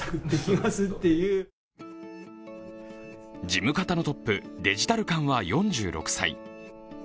事務方のトップ、デジタル監は４６歳。